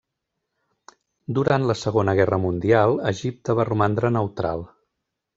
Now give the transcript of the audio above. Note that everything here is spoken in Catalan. Durant la Segona Guerra Mundial, Egipte va romandre neutral.